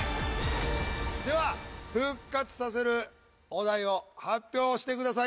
では復活させるお題を発表してください。